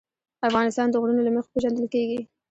افغانستان د غرونه له مخې پېژندل کېږي.